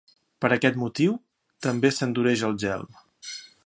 Per aquest motiu també s'endureix el gel.